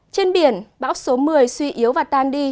trên biển bão số một mươi suy yếu và tan đi